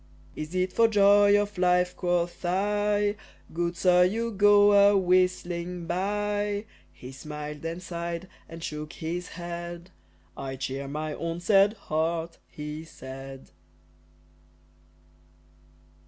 "Is it for joy of life," quoth I, "Good sir, you go awhistling by?" He smiled, and sighed, and shook his head, "I cheer my own sad heart," he said.